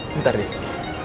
cerita dong ke gue